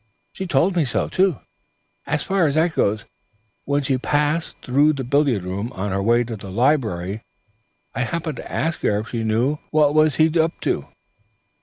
She'd told me so, too, as far as that goes, when she passed through the billiard room on her way to the library. I happened to ask her if she knew what he was up to."